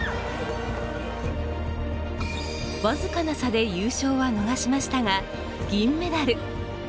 僅かな差で優勝は逃しましたが銀メダル。